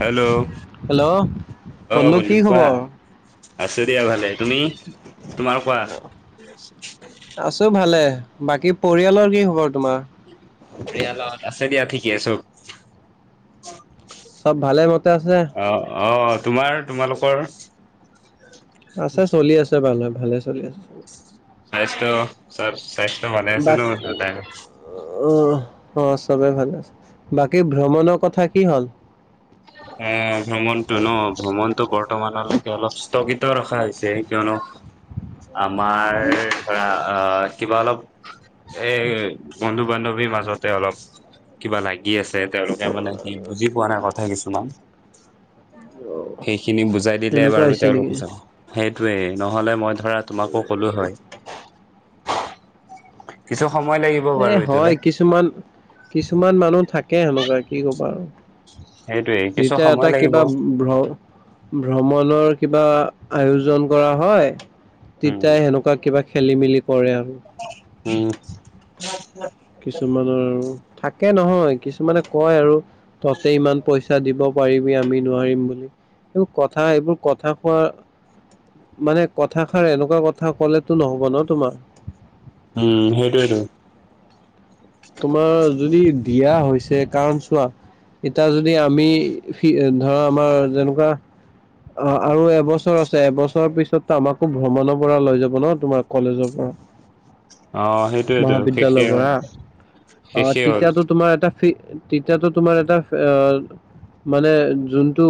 Hello hello আহ বন্ধু বলি কি কোৱা? খবৰ? আছো দিয়া ভালে তুমি তোমাৰ কোৱা? আছো ভালে বাকী পৰিয়ালৰ কি খবৰ তোমাৰ? পৰিয়ালত আছে দিয়া ঠিকে আছোঁ। চব ভালে মতে আছে? অ', আহ তোমাৰ? তোমালোকৰ? আছে চলি আছে ভালে ভালে চলি আছে। স্বাস্থ্য চ স্বাস্থ্য ভালে আছে [unintelligible] অ', অ', চবে ভালে আছে, বাকী ভ্ৰমণৰ কথা কি হ'ল? অ', ভ্ৰমণতো ন'? ভ্ৰমণতটো বৰ্তমানলৈকে অলপ স্থগিত ৰখা হৈছে, কিয়নো আমাৰ ধৰা কিবা অলপ এ বন্ধু-বান্ধৱীৰ মাজতে অলপ কিবা লাগি আছে তেওঁলোকে মানে সেই বুজি পোৱা নাই কথাই কিছুমান। সেইখিনি বুজাই দিলে এনেকুৱা বাৰু হৈছে নেকি? তেওঁলোকো যাব, সেইটোয়েই নহ'লে মই ধৰা তোমাকো ক'লোঁ হয়। [unintelligible] লাগিব এ বাৰু এইটোলে হয়, কিছুমান কিছুমান মানুহ থাকে সেনেকুৱা কি কবা আৰু। সেইটোৱে কিছু যেতিয়া সময় এটা লাগিব কিবা ভ্ৰ ভ্ৰমণৰ কিবা আয়োজন কৰা হয়, উম তেতিয়া সেনেকুৱা কিবা খেলি-মেলি কৰে আৰু। উম, কিছুমানৰ আৰু থাকে নহয়, কিছুমানে কয় আৰু তহঁতে ইমান পইচা দিব পাৰিবি আমি নোৱাৰিম বুলি। এইবোৰ কথা এইবোৰ কথা কোৱাৰ মানে কথাষাৰ এনেকুৱা কথা ক'লেতো ন'হব ন' তোমাৰ? উম, সেইটোৱেটো। তোমাৰ যদি দিয়া হৈছে কাৰণ, চোৱা এতিয়া যদি আমি ধৰা আমাৰ যেনেকুৱা অ', আৰু এবছৰ আছে, এবছৰৰ পিছতো আমাকো ভ্ৰমণৰ পৰা লৈ যাব ন' তোমাক। কলেজৰ পৰা। অ সেইটোৱেতো মহাবিদ্যালয়ৰ শেষেই হ'ল পৰা, অ' শেষেই হ'ল তেতিয়াতো তোমাৰ এটা ঠিক তেতিয়াতো তোমাৰ এটা আ মানে যোনটো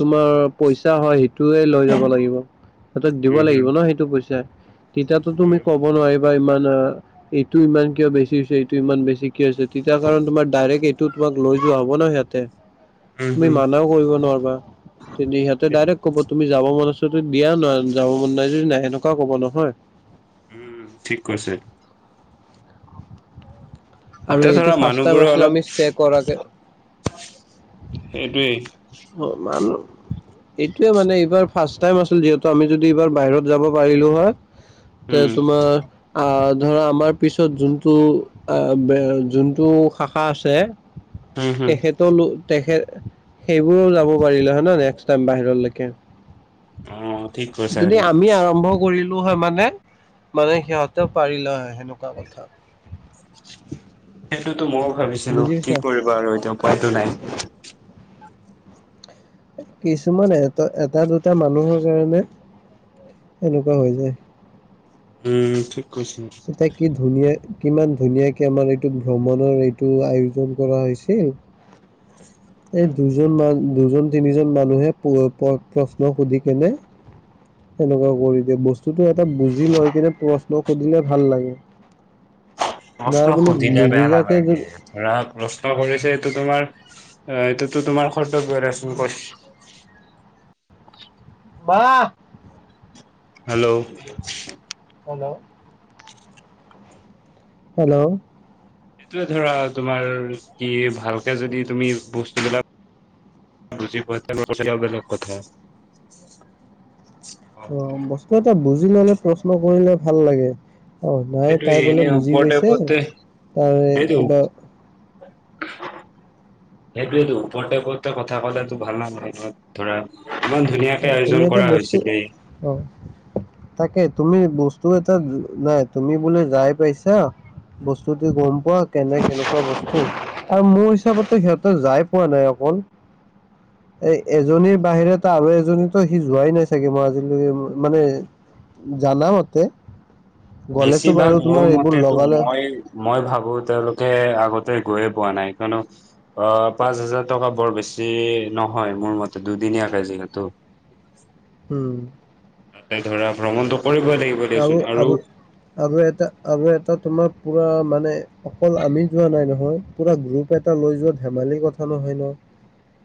তোমাৰ পইচা হয় সেইটোয়ে লৈ যাব লাগিব, সিহঁতক দিব উম হম লাগিব ন' সেইটো পইচা। তেতিয়াতো তুমি ক'ব নোৱাৰিবা ইমান আ এইটো ইমান কিয় বেছি হৈছে, এইটো ইমান বেছি কিয় হৈছে, তেতিয়া কাৰণ তোমাৰ ডাইৰেক্ট এইটো তোমাক লৈ যোৱা হ'ব ন' সিহঁতে। উম উম তুমি হম মানাও কৰিব নোৱাৰিবা। তেন্তে সিহঁতে ডাইৰেক্ট ক'ব তুমি যাব মন আছে দিয়া না, ' যাব মন নাই যদি নাই সেনেকুৱা ক'ব নহয়। উম, ঠিক কৈছে। আৰু এতিয়া এইটো ধৰা ফাৰ্ষ্ট টাইম মানুহবোৰ আছিলে আমি অলপ ষ্টে কৰাকে সেইটোৱেই। অ', মানুহ এইটোয়ে মানে এইবাৰ ফাৰ্ষ্ট টাইম আছিল যিহেতু, আমি যদি এইবাৰ বাহিৰত যাব পাৰিলোঁ হয়। তে উম তোমাৰ আহ, ধৰা আমাৰ পিছত যোনটো আহ এ যোনটো শাখা আছে, হম হম তেখেতৰ লৈ তেখেত সেইবোৰো যাব পাৰিলে হয় ন' নেক্সট টাইম বাহিৰলৈকে! অ ঠিক কৈছা যদি সেইটো আমি আৰম্ভ কৰিলোঁ হয় মানে, মানে সিহঁতেও পাৰিলে হয় সেনেকুৱা কথা। সেইটোতো মইয়ো ভাবিছিলোঁ, বুজি কি পাইছা কৰিবা আৰু এতিয়া উপায়টো নাই। কিছুমান এটা, এটা দুটা মানুহৰ কাৰণে এনেকুৱা হৈ যায়। উম, ঠিক কৈছে। এতিয়া কি ধুনীয়া কিমান ধুনীয়াকে আমাৰ এইটো ভ্ৰমণৰ এইটো আয়োজন কৰা হৈছে। এই দুজন মান, দুজন তিনিজন মানুহে প্ৰশ্ন সুধি কেনে সেনেকুৱা কৰি দিয়ে, বস্তুতো এটা বুজি লৈ কিনে প্ৰশ্ন সুধিলে ভাল লাগে। নাই বোলো নুবুজাকে যদি ৰাম প্ৰশ্ন কৰিছে এইটো তোমাৰ অ' এইটোতো তোমাৰ কৰ্তব্যৰে আছে কৈছ। মা হেল্লো হেল্লো হেল্লো এইটোৱে ধৰা তোমাৰ কি ভালকে যদি তুমি বস্তু বিলাক বুজি পোৱা তো অলপ তেতিয়া বেলেগ কথা। অ' বস্তু এটা বুজি ল'লে প্ৰশ্ন কৰিলে ভাল লাগে। অ' নাই সেইটোৱে তাই বোলে এনে বুজি ওপৰতে গৈছে, ওপৰতে তাই সেইটো কিবা সেইটোৱেতো ওপৰতে পৰ্ত কথা ক'লে তো ভাল নাপায় নহয়। ধৰা ইমান ধুনীয়াকে তুমি আয়োজন এটা কৰা বস্তু হৈছিলে। অ' তাকে তুমি বস্তু এটা নাই তুমি বোলে যাই পাইছা। বস্তুতি গম পোৱা কেনে কেনেকুৱা বস্তু আৰু মোৰ হিচাপতো সিহঁতে যাই পোৱা নাই অকল এ এজনীৰ বাহিৰত আৰু এজনী সি যোৱাই নাই চাগে, মই আজিলৈকে মানে জানামতে বেছিভাগ মোৰ এইবোৰ মতেটো লগালে মই মই ভাবো তেওঁলোকে আগতে গৈয়ে পোৱা নাই, কিয়নো অ পাঁচ হাজাৰ টকা বৰ বেছি নহয়, মোৰ মতে দুদিনীয়াকে যিহেতু। উম। এই ধৰা ভ্ৰমণটো কৰিবই লাগিব। আৰু আৰু আৰু এটা আৰু এটা তোমাৰ পুৰা মানে অকল আমি যোৱা নাই নহয়। পুৰা গ্ৰুপ এটা লৈ যোৱাত ধেমালি কথা নহয় ন।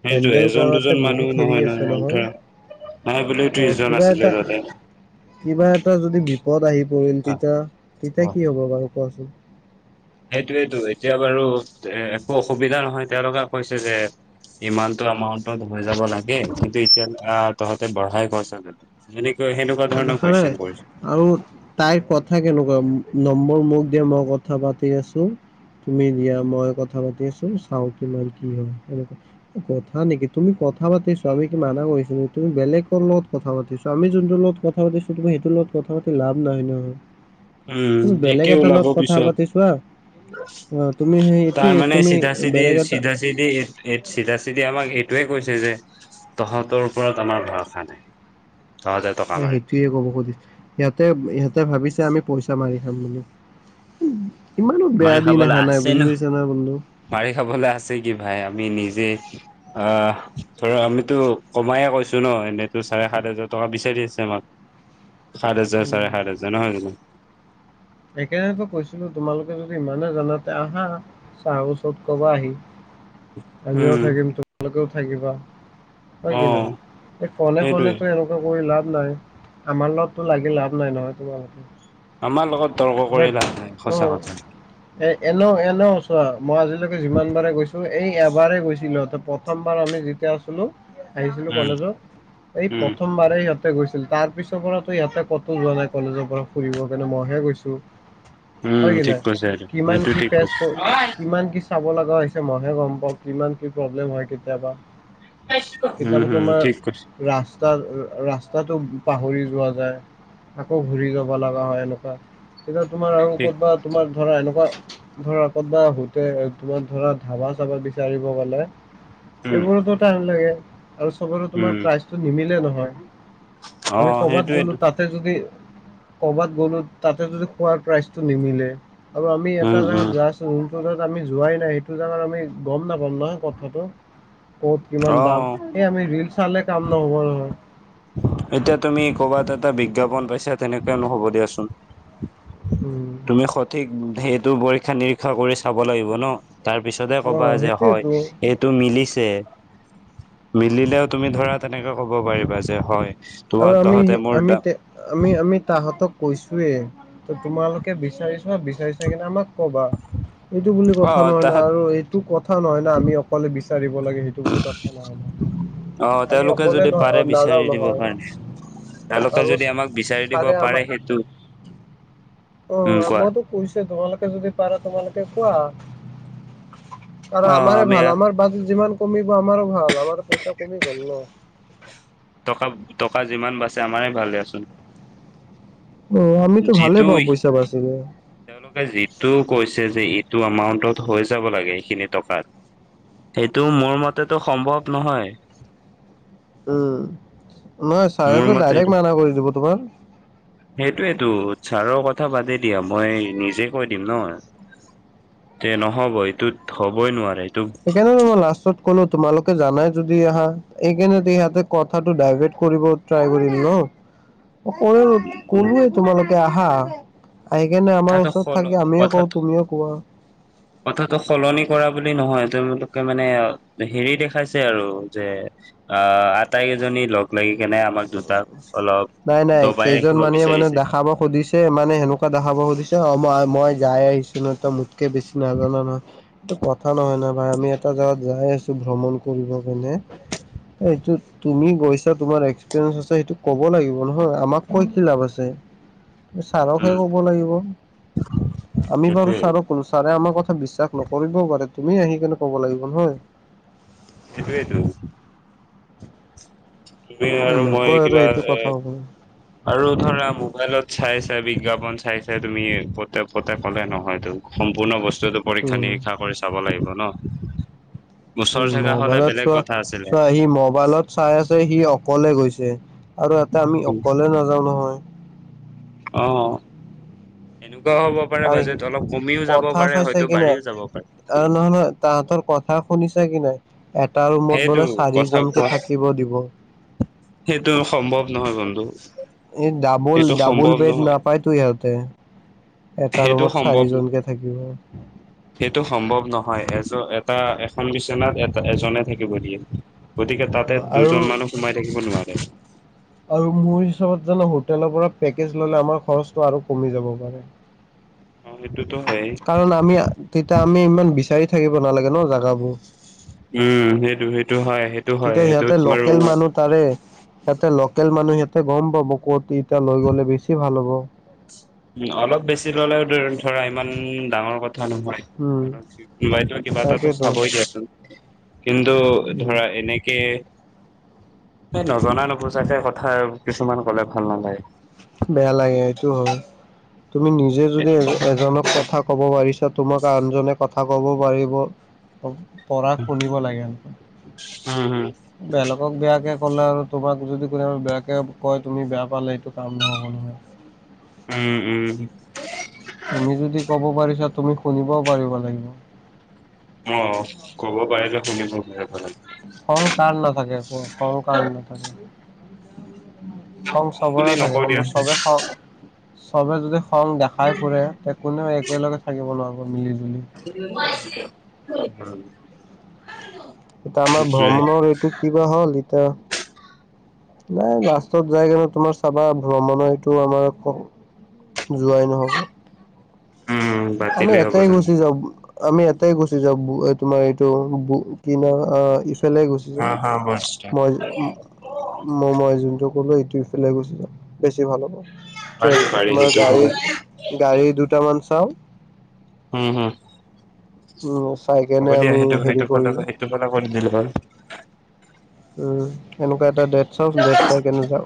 সেইটোৱে হেণ্ডেল এজন দুজন কৰাতে মানুহ বহুত হেৰি নহয় আছে নহয়। ধৰা নাই বুলিও অ ত্ৰিশ জন কিবা আছিলে এটা, তাতে। কিবা এট টা যদি বিপদ আহি পৰিল তেতিয়া তেতিয়া কি হ'ব বাৰু কোৱাচোন? সেইটোৱেতো, এতিয়া বাৰু এ একো অসুবিধা নহয় তেওঁলোকে কৈছে যে ইমানটো এমাউন্টত হৈ যাব লাগে কিন্তু এতিয়া আ তহঁতে বঢ়াই [unintelligible] এনেকৈ সেনেকুৱা ধৰণৰ দেখা নাই কুৱেশন কৰিছে। আৰু তাইৰ কথা কেনেকুৱা, নম্বৰ মোক দে মই কথা পাতি আছো। তুমি দিয়া মই কথা পাতি আছো, চাওঁ কিমান কি হয়? কথা নেকি, তুমি কথা পাতি চোৱা আমি কি মানা কৰিছো নেকি, তুমি বেলেগৰ লগত কথা পাতি চোৱা, আমি যোনটোলগত কথা পাতিছো তুমি সেইটো লগত কথা পাতি লাভ নাই নহয়। উম, তুমি বেলেগ একে এটা ওলাব লগত কথা পিছত পাতি চোৱা। অ তুমি সেই একে তাৰ মানে তুমি চিধা চিধি বেলেগ এটা [unintelligible] চিধি চিধা চিধি আমাক সেইটোৱে কৈছে যে তহঁতৰ ওপৰত আমাৰ ভৰষা নাই। তহঁতে টকা এ মাৰিবি সেইটোৱে ক'ব খুজিছোঁ। সিহঁতে সিহঁতে ভাবিছে আমি পইচা মাৰি খাম বুলি। ইমানো বেয়া মাৰি দিন খাবলৈ আহা নাই আছে বুজি ন পাইছা না বন্ধু। মাৰি খাবলৈ আছে কি ভাই, আমি নিজে অ ধৰ আমিতো কমায়ে কৈছো ন, এনেইতো চাৰে সাত হাজাৰ টকা বিচাৰি আছে আমাক। [unintelligible] সাতহাজাৰ, চাৰে উম সাতহাজাৰ, নহয় জানো? সেইকাৰণেতো কৈছিলোঁ, তোমালোকে যদি ইমানেই জানা, তে আহা। চাৰৰ ওচৰত কবা আহি, আমিও উম থাকিম তোমালোকেও থাকিবা। হয় অ কি নাই? এই ফনে সেইটোৱে ফনেতো এ তৰ্ক কৰি লাভ নাই, আমাৰ লগততো লাগি লাভ নাই নহয় তোমালোকৰ। আমাৰ লগত তৰ্ক কৰি লাভ নাই, অঁ সঁচা কথা। এ এনেও এনেও, চোৱা মই আজিলৈকে যিমান বাৰে গৈছোঁ, এই এবাৰেই গৈছিলোঁ, ত প্ৰথমবাৰ আমি তে আছিলোঁ, আহিছিলো উম কলেজত, এই উম প্ৰথম বাৰেই সিহঁতৰ গৈছিল, তাৰপিছৰ পৰাতো ইহঁতে কতো যোৱা নাই কলেজৰ পৰা ফুৰিব কাৰণে, মইহে গৈছোঁ। উম হয় কি ঠিক না? কৈছে এইটো কিমান সেইটো কি ঠিক [unintelligible] কৈছে কিমান কি চাব লগা হৈছে, মইহে গম পাওঁ, কিমান কি প্ৰব্লেম হয় কেতিয়াবা। উম, কেতিয়াবা হম, তোমাৰ ঠিক কৈছে ৰাস্তা, ৰাস্তাটো পাহৰি যোৱা যায়। আকৌ ঘূৰি যাব লগা হয় এনেকুৱা, তেতিয়া তোমাৰ আৰু ঠিক কতবা, তোমাৰ ধৰা এনেকুৱা ধৰা ক'তবা হোটেল, তোমাৰ ধৰা ধাবা চাবা বিচাৰিব গ'লে উম, এইবোৰো কথা [unintelligible] লাগে আৰু চবৰে তোমাৰ উম, প্ৰাইচটো নিমিলে নহয়। আমি অ', কৰ'বাত গ'লো, সেইটোয়েইটো। তাতে যদি, ক'ৰবাত গ'লো তাতে যদি খোৱাৰ প্ৰাইচটো নিমিলে আৰু আমি উম, এটা উম, জাগাত জাষ্ট [unintelligible] তাত আমি যোৱাই নাই, সেইটো জাগাত আমি গম নাপাম না কথাটো। ক'ত কিমান দাম, অ', এই আমি ৰিল চালে কাম নহ'ব নহয়। এতিয়া তুমি ক'ৰবাত এটা বিজ্ঞাপন পাইছা, তেনেকে নহ'ব দিয়াচোন। উম। তুমি সঠিক সেইটো পৰীক্ষা নিৰীক্ষা কৰি চাব লাগিব ন। তাৰপিছতহে অ ক'বা যে, হয়। সেইটোয়েতো এইটো মিলিছে, মিলিলেও তুমি ধৰা তেনেকে ক'ব পাৰিবা যে, হয়। আৰু তোমাৰ আমি, তহঁতে মোৰ আমি দা তে আমি, আমি তাহতক কৈছোয়েই, ত' তোমালোকে বিচাৰি চোৱা বি বিচাৰি চাই কিনে আমাক ক'বা, এইটো বুলি কথা অ', নহয় ন তাহাঁত আৰু এই টো কথা নহয় না, আমি অকলে বিচাৰিব লাগে সেই বুলি কথা নহয়, অ', আমি তেওঁলোকে অকলে যদি পাৰে বিচাৰি ন-নাযাও দিব নহয়। কাৰণে তেওঁলোকে আৰু যদি আমাক বিচাৰি দিব ছাৰে আমাক পাৰে সেইটো উম, অ', কোৱা মইতো কৈছোৱেই, তোমালোকে যদি পাৰা তোমালোকে কোৱা। আৰু অ', আমাৰেই আমি ভাল, আমাৰ বাজেট যিমান কমিব আমাৰো ভাল, আমাৰ পইচা কমি গ'ল ন। টকা, টকা যিমান বাছে, আমাৰেই ভাল দিয়াচোন। অ', আমিতো ভালেই যিটো পাওঁ পইচা বাচিলে। তেওঁলোকে যিটো কৈছে যে, এইটো এমাউন্টত হৈ যাব লাগে সেইখিনি টকাত এইটো মোৰ মতেটো সম্ভৱ নহয়। উম, নহয় মোৰ চাৰেটো মতে ডাইৰেক্ট মানা কৰি দিব তোমাৰ। সেইটোৱেতো, ছাৰৰ কথা বাদেই দিয়া, মই নিজে কৈ দিম ন। যে নহ'ব, এইটোত হ'বই নোৱাৰে, এইটো সেইকাৰনেটো মই লাষ্টত ক'লোঁ, তোমালোকে জানাই যদি আহা, এইকাৰণে ইহঁতে কথাটো ডাইভাৰ্ট কৰিব ট্ৰাই কৰিম ন, [unintelligible] ক'লোৱেই তোমালোকে আহা। আহি কেনে আমাৰ কথাটো ওচৰত সল থাকে, আমিও কওঁ কথাটো তুমিও কোৱা। কথাটো সলনি কৰা বুলি নহয়, তেওঁলোকে মানে হেৰি দেখাইছে আৰু যে আ আটাইকেইজনী লগ লাগি কেনে আমাক দুটাক অলপ দবাই ৰাখিব বিচাৰিছে। খাব সুধিছ [unintelligible] মানে সেনেকুৱা দেখাব খুজিছে, অ', মই, মই যায় আহিছোঁ ন, তই মোতকে বেছি নাজান নহয়। এইটো কথা নহয় ন, ভাই আমি এটা জাগাত যাই আছো ভ্ৰমণ কৰিব কেনে। এইটোত তুমি গৈছা তোমাৰ এক [unintelligible] আছে, এইটো ক'ব লাগিব নহয়, আমাক কৈ কি লাভ আছে। এ ছাৰকহে উম ক'ব লাগিব, আমি বাৰু সেইটোৱে ছাৰক [unintelligible] ছাৰে আমাৰ কথা বিশ্বাস নকৰিবও পাৰে, তুমি আহি কেনে ক'ব লাগিব নহয়। এইটোৱেটো। তুমি আৰু মই নকয় আৰু কিবা এইটো এ কথা হ'ব। আৰু ধৰা মোবাইলত চাইছে বিজ্ঞাপন চাইছে তুমি ফ'তে, ফ'তে ক'লে নহয়তো। সম্পূৰ্ণ বস্তুটো পৰীক্ষা উম নিৰীক্ষা কৰি চাব লাগিব ন। ওচৰ উম, জেগা হলে মোবাইলত বেলেগ চোৱা, কথা আছিলে চোৱা আহি মোবাইলত চাই আছে সি অকলে গৈছে আৰু ইয়াতে আমি অকলে নাযাও নহয়। অঁ'। এনেকুৱাও হ'ব পাৰে আৰু সি বাজেট অলপ কমিও যাব কথা পাৰে চাইছে হয়তো কি নাই বাঢ়িও যাব পাৰে। আৰু নহয় নহয় তাহাঁতৰ কথা শুনিছা কি নাই? এটা ৰুমত সেইটো বোলে চাৰি কথা জনকে কোৱা থাকিব দিব। সেইটো সম্ভৱ নহয় বন্ধু। এইত ডাবল সেইটো ডাবল সম্ভৱ বেড নহয় নাপাই তো ইয়াতে। সেইটো সম্ভৱ [unintelligible] সেইটো সম্ভৱ নহয়, এজ এটা এখন বিচনাত এটা এজনে থাকিব দিয়ে। গতিকে অ তাতে আৰু দুজন মানুহ সোমাই থাকিব নোৱাৰে। আৰু মোৰ হিচাপত জানো হোটেলৰ পেকেজ ল'লে আমাৰ খৰচটো আৰু কমি যাব পাৰে। অঁ, সেইটোতো হয়ে। কাৰণ আমি তেতিয়া আমি ইমান বিচাৰি থাকিব নালাগে ন' জাগাবোৰ। উম, সেইটো সেইটো হয় সেইট তেতিয়া ইহঁতে লোকেল মানুহ তাৰে, সিহঁতে ল'কেল মানুহ সিহঁতে গ'ম পাব ক'ত এতিয়া লৈ গ'লে বেছি ভাল হ'ব। উম অলপ বেছি ল'লেও ধৰা ইমান ডাঙৰ কথা নহয়। উম কোনোবাইটো কিবা এটাটো তাকেতো চাবই দিয়া চোন কিন্তু উম ধৰা এনেকে এই নজনা নুবোজাকে কথা কিছুমান ক'লে ভাল নালাগে। বেয়া লাগে এইটো হ'য়, তুমি নিজেও যদি এজনক কথা কব ক'ব পাৰিছ তোমাক আনজনে কথা ক'ব পাৰিব। পঢ়া শুনিব লাগে। উম বেলেকক বেয়াকে ক'লে আৰু তোমাক যদি কোনোবাই বেয়াকে কয় তুমি বেয়া পালে এইটো কাম নহব নহয়। উম উম। তুমি যদি ক'ব পাৰিছা, তুমি শুনিবও পাৰিব লাগিব। অ', ক'ব পাৰিলে শুনিব পাৰিব লাগিব। খং কাৰ নাথাকে, কোৱা খং কাৰ নাথাকে? খং কম চবৰে বুলি থাকে, নকওঁ দিয়া। কিন্তু চবেই খং চবে যদি খং দেখাই ফুৰে, তে কোনেও একেলগে থাকিব নোৱাৰিব মিলি জুলি। উম। [unintelligible] এটা আমাৰ ভ্ৰমণৰ এইটো কিবা হ'ল, এতিয়া নাই লাষ্টত যায় কিনে তোমাৰ চাবা ভ্ৰমণৰ এইটো আমাৰ যোৱাই নহ'ব। উম আমি পাতিলে হ'ব এটাই জানো গুচি যাওঁ। আমি এটাই গুচি যাম, এ তোমাৰ এটো কি ইফালে গুচি হা যাম হা বছ মই যা ম মই যোনটো ক'লো, ইটো ইফালে গুচি যা বেছি ভাল হ'ব। তে পাৰি পাৰি তোমাৰ সেইটো গাড়ী, ফালে গাড়ী দুটামান চাওঁ। হুম-হুম উম চাইকেনে আমি সেইটো সেইটো হেৰি কৰিলো। [unintelligible] উম, সেনেকুৱা এটা ডেট চাওঁ, ডেট চাই কেনে যাওঁ।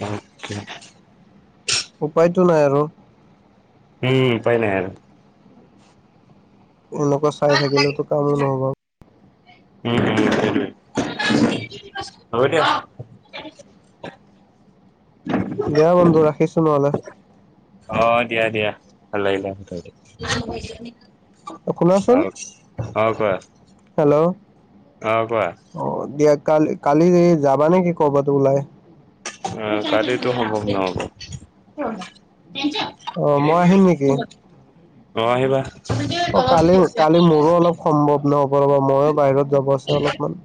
বাকে। উপায়টো নাই আৰু। উমঁ উপাই নাই আৰু। এনেকুৱা চাই থাকিলেতো কামো নহ'ব। উমঁ উমঁ উমঁ হ'ব দিয়ক। দিয়া বন্ধু ৰাখিছো নহ'লে। অহ দিয়া দিয়া ভাল লাগিলে কথাপাতি। শুনাচোন অঁ কোৱা অঁ কোৱা। অঁ দিয়া কালি কালি যাবা নেকি কৰ'বাত ওলাই? উমঁ কালৈটো সম্ভৱ নহ'ব। অঁ মই আহিম নেকি? অঁ আহিবা। অঁ কালি কালি মোৰো অলপ সম্ভৱ নহ'ব ৰব ময়ো বাহিৰত যাব আছে অলপমান।